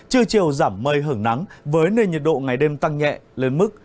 chưa chiều giảm mây hởng nắng với nơi nhiệt độ ngày đêm tăng nhẹ lên mức